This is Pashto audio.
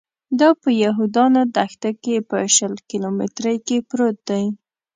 دا په یهودانو دښته کې په شل کیلومترۍ کې پروت دی.